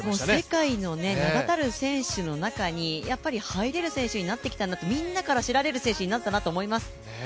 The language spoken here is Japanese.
世界の名だたる選手の中に入れる選手になってきたなとみんなから知られる選手になったなと思います。